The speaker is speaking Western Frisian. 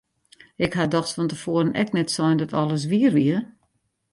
Ik ha dochs fan te foaren ek net sein dat alles wier wie!